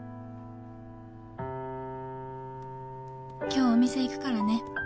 「今日お店行くからね。